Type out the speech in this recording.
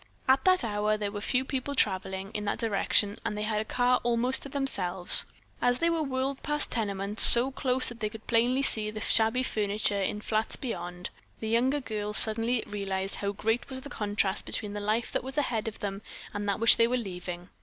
At that hour there were few people traveling in that direction and they had a car almost to themselves. As they were whirled past tenements, so close that they could plainly see the shabby furniture in the flats beyond, the younger girls suddenly realized how great was the contrast between the life that was ahead of them and that which they were leaving.